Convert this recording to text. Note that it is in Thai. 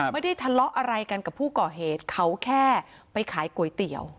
ไม่ได้ทะเลาะอะไรกันกับผู้ก่อเหตุเขาแค่ไปขายก๋วยเตี๋ยว